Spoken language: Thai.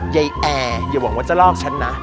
แอร์อย่าหวังว่าจะลอกฉันนะ